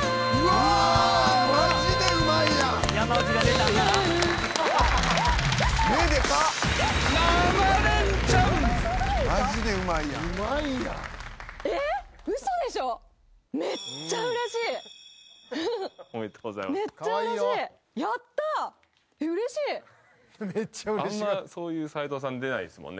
あんまそういう齊藤さん出ないっすもんね